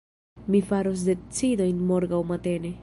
Mi faros decidojn morgaŭ matene.